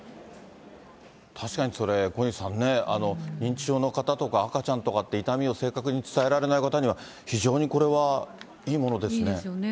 確かにそれ、小西さんね、認知症の方とか赤ちゃんとかって、痛みを正確に伝えられない方には、非常にこれはいいものですね。